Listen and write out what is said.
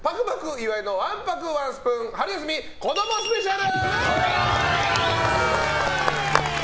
岩井のわんぱくワンスプーン春休み子どもスペシャル！